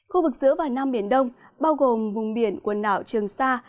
khu vực giữa và nam biển đông bao gồm vùng biển quần đảo trường sa